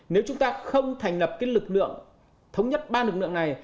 nếu chúng ta không thành lập lực lượng thống nhất ba lực lượng này